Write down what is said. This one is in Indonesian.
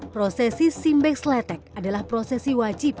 prosesi simbex letek adalah prosesi wajib